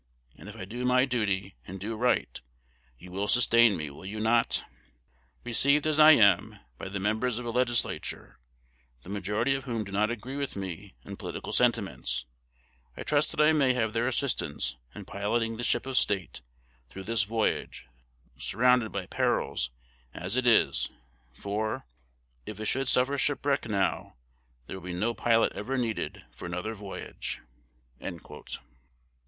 And if I do my duty, and do right, you will sustain me: will you not? Received, as I am, by the members of a legislature, the majority of whom do not agree with me in political sentiments, I trust that I may have their assistance in piloting the Ship of State through this voyage, surrounded by perils as it is; for, if it should suffer shipwreck now, there will be no pilot ever needed for another voyage."